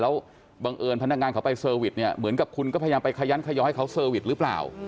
แล้วบังเอิญพนักงานเขาไปเซอร์วิสเนี่ยเหมือนกับคุณก็พยายามไปขยันขยอยเขาเซอร์วิสหรือเปล่า